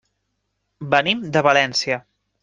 Venim de València.